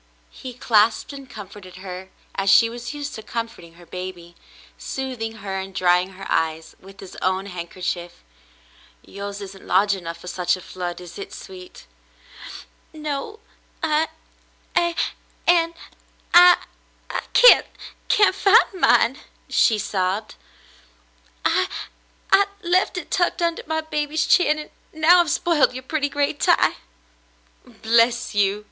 He clasped and comforted her as she was used to comfort her baby, soothing her and drying her eyes with his own handkerchief. "Yours isn't large enough for such a flood, is it, sweet ?" 304 The Mountain Girl "No, a — a — and I — I can can't find mine," she sobbed. "I — I — left it tucked under baby's chin — and now I've spoiled your pretty gray tie." " Bless you